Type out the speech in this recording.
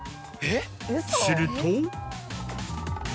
すると。